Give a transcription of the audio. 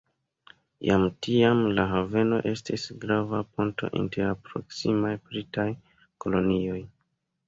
Jam tiam la haveno estis grava ponto inter la proksimaj britaj kolonioj.